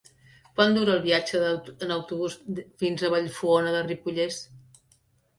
Quant dura el viatge en autobús fins a Vallfogona de Ripollès?